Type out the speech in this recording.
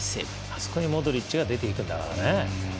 あそこにモドリッチが出ていくんだからね。